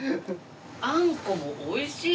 あんこも美味しい！